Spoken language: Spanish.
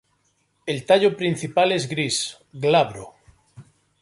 El tallo principal es gris, glabro.